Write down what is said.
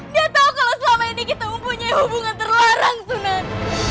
dia tahu kalau selama ini kita mempunyai hubungan terlarang sunan